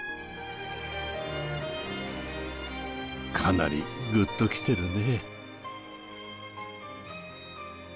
かなりぐっときてるね。